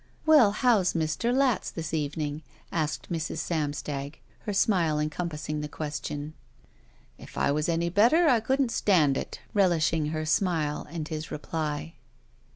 "Well, how's Mr. Latz this evening?" asked Mrs. Samstag, her smile encompassing the question. K I was any better I couldn't stand it," relishing her smile and his reply.